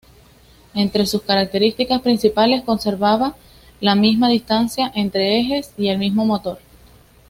Entre sus características principales, conservaba la misma distancia entre ejes y el mismo motor.